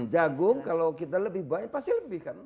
jagung kalau kita lebih baik pasti lebih kan